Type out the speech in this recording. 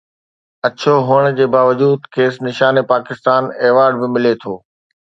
اڇو هئڻ جي باوجود کيس نشان پاڪستان ايوارڊ به ملي ٿو